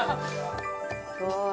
すごい。